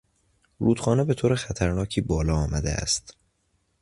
رودخانه به طور خطرناکی بالا آمده است.